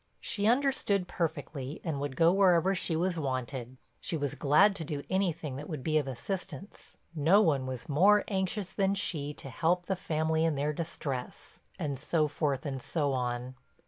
She understood perfectly and would go wherever she was wanted; she was glad to do anything that would be of assistance; no one was more anxious than she to help the family in their distress, and so forth and so on.